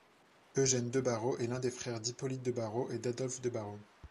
Eugène de Barrau est l'un des frères d'Hippolyte de Barrau et d'Adolphe de Barrau.